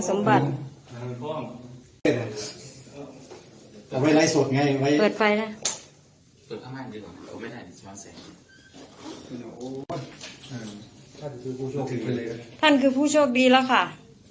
ท่านผู้โชคดีไปเลยท่านคือผู้โชคดีแล้วค่ะ